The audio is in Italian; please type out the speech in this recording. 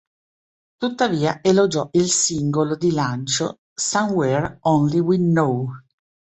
Tuttavia elogiò il singolo di lancio "Somewhere Only We Know".